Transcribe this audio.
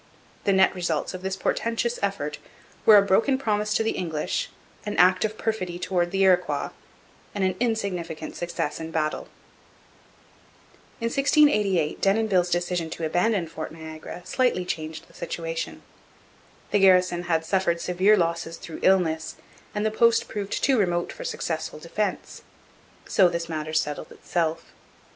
The net results of this portentous effort were a broken promise to the English, an act of perfidy towards the Iroquois, and an insignificant success in battle. In 1688 Denonville's decision to abandon Fort Niagara slightly changed the situation. The garrison had suffered severe losses through illness and the post proved too remote for successful defence. So this matter settled itself.